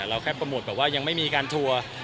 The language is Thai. เราแค่โปรโมทแบบว่ายังไม่มีการทัวร์